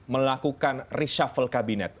melakukan reshuffle kabinet